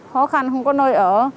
khó khăn không có nơi ở